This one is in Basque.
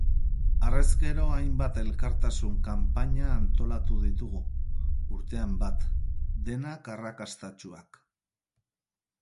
Harrezkero hainbat elkartasun kanpaina antolatu ditugu, urtean bat, denak arrakastatsuak.